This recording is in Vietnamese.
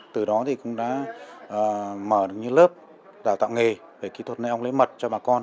từ đó cũng đã mở được những lớp đào tạo nghề về kỹ thuật nuôi ong lấy mật cho bà con